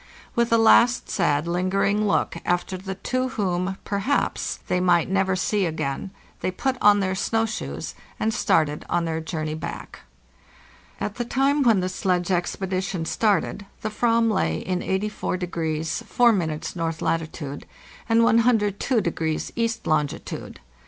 With a last sad lingering look after the two whom, perhaps, they might never see again, they put on their snow shoes and started on their journey back. At the time when the sledge expedition started the /vam lay in 84° 4' north latitude and 102° east longitude.